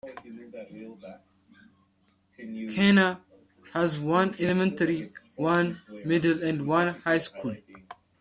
Kanna has one elementary, one middle and one high school.